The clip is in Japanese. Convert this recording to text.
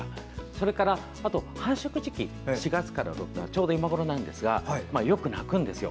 それから繁殖時期、４月からちょうど今ごろなんですがよく鳴くんですよ。